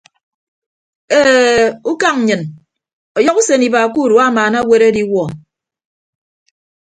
E ukañ nnyịn ọyọhọ usen iba ke urua amaana aweere adiwuọ.